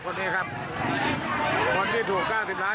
คนนี้ถูก๙๐ล้าน